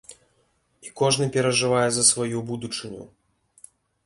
І кожны перажывае за сваю будучыню!